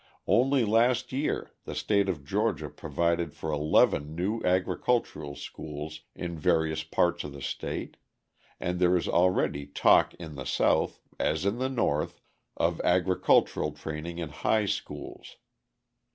Only last year the state of Georgia provided for eleven new agricultural schools in various parts of the state, and there is already talk in the South, as in the North, of agricultural training in high schools.